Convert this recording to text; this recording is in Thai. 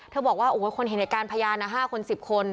เขาบอกว่าคนเห็นเหตุการณ์พยาละ๕๑๐คน